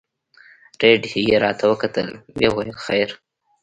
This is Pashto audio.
رډ يې راته وکتل ويې ويل خير.